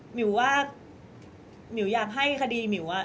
มิวว่าหมิวอยากให้คดีหมิว